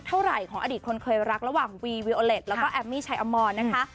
เท่าไหร่ของอดีตคนเคยรักระหว่างวีวิโอเล็ตแล้วก็แอมมี่ชายอมอนนะคะ